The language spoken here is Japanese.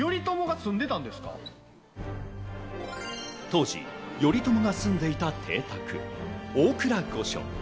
当時、頼朝が住んでいた邸宅・大倉御所。